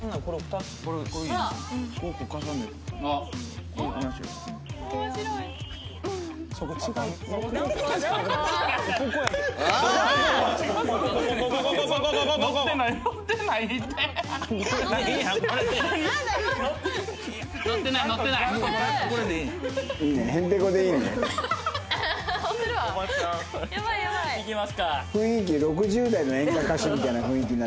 雰囲気６０代の演歌歌手みたいな雰囲気になってるけど。